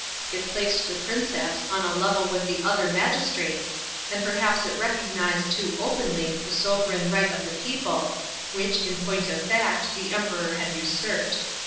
It placed the Princeps on a level with the other magistrates, and perhaps it recognised too openly the sovran right of the people, which, in point of fact, the Emperor had usurped.